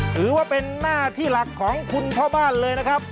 ถือว่าเป็นหน้าที่หลักของคุณพ่อบ้านเลยนะครับ